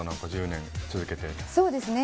１０年続けて。